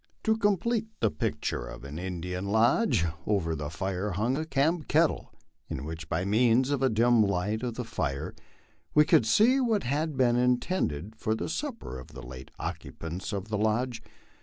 To com plete the picture of an Indian lodge, over the fire hung a camp kettle, in which, by means of the dim light of the fire, we could see what had been intended for the supper of the late occupants of the lodge.